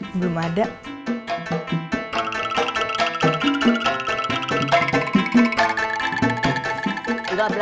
enggak ada yang nyebut